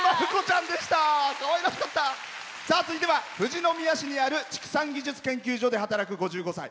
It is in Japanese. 続いては、富士宮市にある畜産研究所で働く５５歳。